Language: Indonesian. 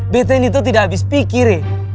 btn itu tidak habis pikir